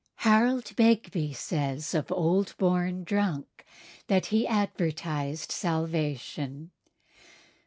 Harold Begbie says of Old Born Drunk that "he advertised salvation.